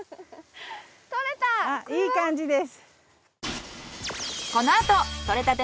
いい感じです。